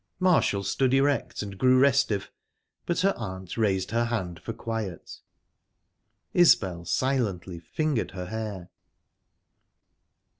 Marshall stood erect and grew restive, but her aunt raised her hand for quiet. Isbel silently fingered her hair.